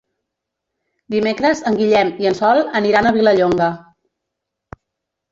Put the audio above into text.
Dimecres en Guillem i en Sol aniran a Vilallonga.